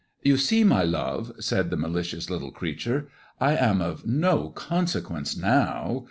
" You see, my love," said the malicious little creature, "I am of no consequence now.